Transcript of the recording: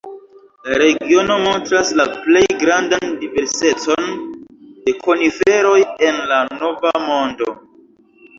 La regiono montras la plej grandan diversecon de koniferoj en la Nova Mondo.